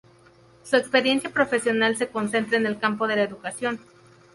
Su experiencia profesional se concentra en el campo de la educación.